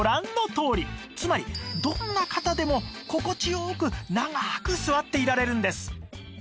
つまりどんな方でも心地良く長く座っていられるんです